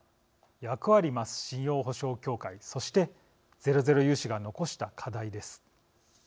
役割増す「信用保証協会」そしてゼロゼロ融資が残した課題です。